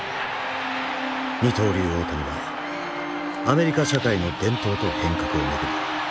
二刀流大谷はアメリカ社会の伝統と変革を巡り